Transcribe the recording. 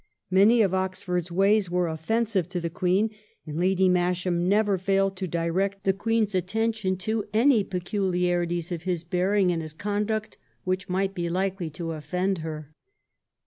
Many of Oxford's ways were offensive to the Queen, and Lady Masham never failed to direct the Queen's attention to any peculiarities of his bearing and his conduct which might be likely to offend her.